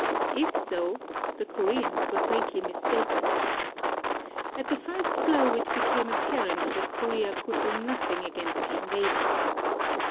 If so, the Koreans were greatly mistaken. At the first blow it be came apparent that Korea could do nothing against the invaders.